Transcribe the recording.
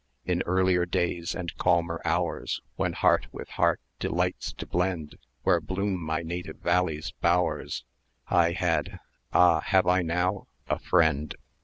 "In earlier days, and calmer hours, When heart with heart delights to blend, Where bloom my native valley's bowers,[eq] 1220 I had Ah! have I now? a friend!